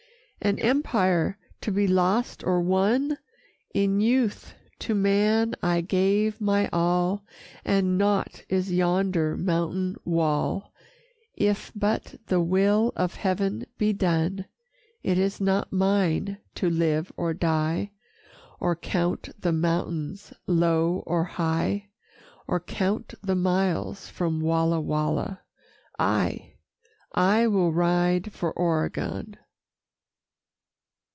II "An empire to be lost or won? In youth to man I gave my all, And nought is yonder mountain wall; If but the will of Heaven be done, It is not mine to live or die, Or count the mountains low or high, Or count the miles from Walla Walla. I, I will ride for Oregon.